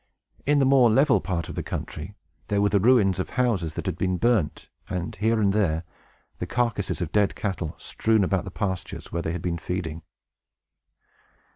In the more level part of the country, there were the ruins of houses that had been burnt, and, here and there, the carcasses of dead cattle, strewn about the pastures where they had been feeding.